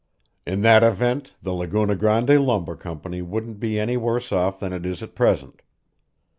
"In that event the Laguna Grande Lumber Company wouldn't be any worse off than it is at present.